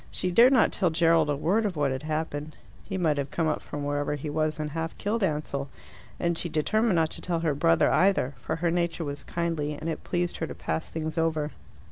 She dared not tell Gerald a word of what had happened: he might have come up from wherever he was and half killed Ansell. And she determined not to tell her brother either, for her nature was kindly, and it pleased her to pass things over.